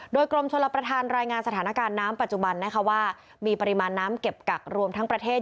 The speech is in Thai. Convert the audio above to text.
โดยกรมชลประธานรายงานสถานการณ์น้ำปัจจุบันนะคะว่ามีปริมาณน้ำเก็บกักรวมทั้งประเทศ